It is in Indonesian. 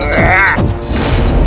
aku akan menghinamu